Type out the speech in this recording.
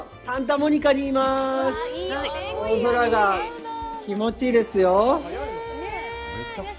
青空が気持ちいいですよ。